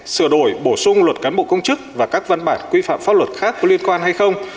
sửa đổi bổ sung luật cán bộ công chức và các văn bản quy phạm pháp luật khác có liên quan hay không